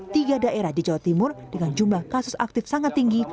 tiga daerah di jawa timur dengan jumlah kasus aktif sangat tinggi